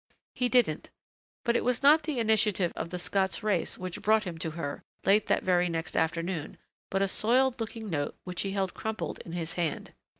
He didn't. But it was not the initiative of the Scots race which brought him to her, late that very next afternoon, but a soiled looking note which he held crumpled in his hand.